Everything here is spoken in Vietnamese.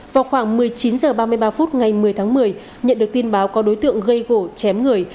vào khoảng một mươi chín h ba mươi ba phút ngày một mươi tháng một mươi nhận được tin báo có đối tượng gây gỗ chém người